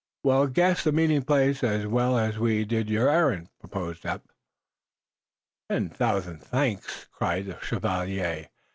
"We'll guess the meeting place as well as we did your errand," proposed Eph. "Ten thousan' thanks!" cried, the chevalier.